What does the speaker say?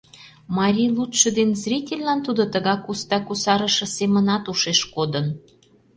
Марий лудшо ден зрительлан тудо тыгак уста кусарыше семынат ушеш кодын.